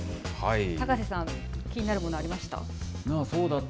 高瀬さん、気になるものありましそうだった、